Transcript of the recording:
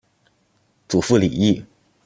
祖父李毅。